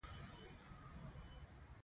مورغاب سیند د افغانستان د بشري فرهنګ برخه ده.